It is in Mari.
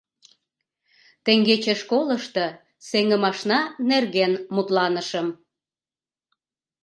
— Теҥгече школышто сеҥымашна нерген мутланышым.